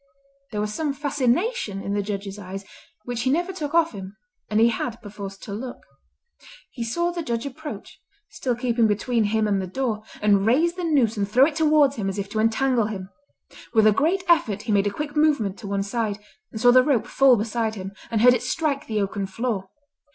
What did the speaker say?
There was some fascination in the Judge's eyes, which he never took off him, and he had, perforce, to look. He saw the Judge approach—still keeping between him and the door—and raise the noose and throw it towards him as if to entangle him. With a great effort he made a quick movement to one side, and saw the rope fall beside him, and heard it strike the oaken floor.